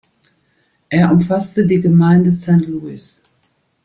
Er umfasste die Gemeinde Saint-Louis.